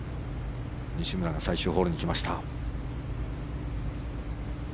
西村、最終ホールに来ました。